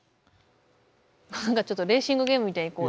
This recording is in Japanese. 何かちょっとレーシングゲームみたいにこう。